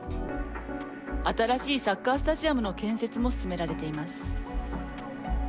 新しいサッカースタジアムの建設も進められています。